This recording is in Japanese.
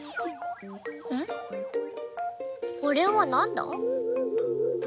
これはなんだ？